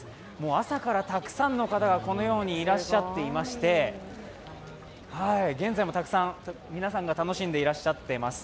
朝からたくさんの方がいらっしゃっていまして現在もたくさん、皆さんが楽しんでいらっしゃってます。